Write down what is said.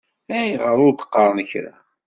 Ayɣer ur d-qqaṛen kra?